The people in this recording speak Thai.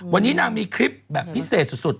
วันนี้นางมีคลิปแบบพิเศษสุด